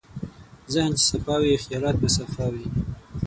ذهن چې صفا وي، خیالات به صفا وي.